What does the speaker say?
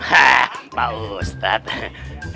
hah pak ustadz